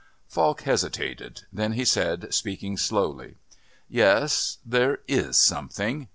Falk hesitated; then he said, speaking slowly, "Yes, there is something.